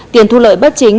tiền thu lợi bất chính